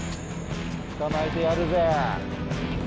捕まえてやるぜ。